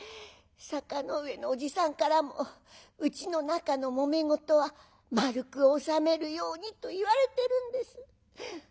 坂ノ上の叔父さんからもうちの中のもめ事は丸く収めるようにと言われてるんです。